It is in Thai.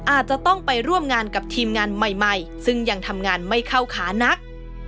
อาจจะต้องไปร่วมงานกับทีมงานใหม่ซึ่งยังทำงานไม่เข้าขานัก